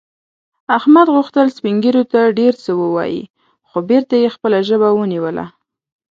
احمد غوښتل سپین ږیرو ته ډېر څه ووايي، خو بېرته یې خپله ژبه ونیوله.